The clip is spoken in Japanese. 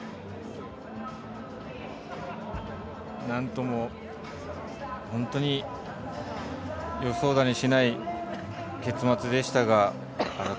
何とも本当に予想だにしない結末でしたが。